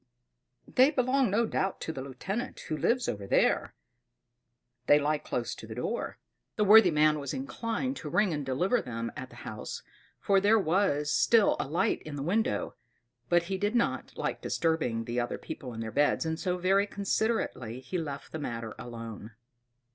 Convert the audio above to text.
"They belong no doubt to the lieutenant who lives over the way. They lie close to the door." The worthy man was inclined to ring and deliver them at the house, for there was still a light in the window; but he did not like disturbing the other people in their beds, and so very considerately he left the matter alone.